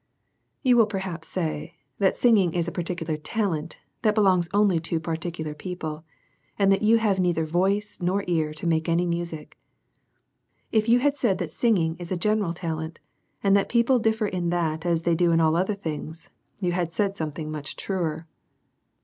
You will perhaps say, that singing is a particular ta lent that belongs only to particular people, and that you have neither voice nor ear to make any music. If you had said that singing is a general talent, and that people dilfcr in that as they do in all other things, you had said something much truer.